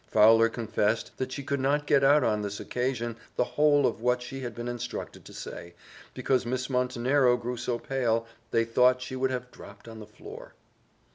Fowler confessed that she could not get out on this occasion the whole of what she had been instructed to say, because Miss Montenero grew so pale, they thought she would have dropped on the floor.